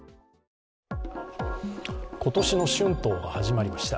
今年の春闘が始まりました。